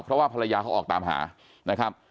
เพราะว่าภรรยาเขาออกตามหานะครับ